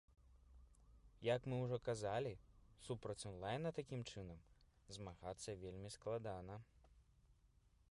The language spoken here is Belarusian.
Як мы ужо казалі, супраць онлайна такім чынам змагацца вельмі складана.